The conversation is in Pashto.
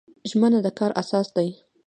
ژمنه د کار اساس دی